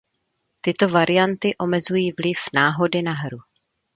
Tyto varianty omezují vliv náhody na hru.